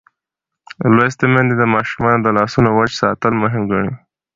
لوستې میندې د ماشومانو د لاسونو وچ ساتل مهم ګڼي.